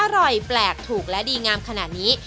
อร่อยแปลกถูกและดีงามขนาดนี้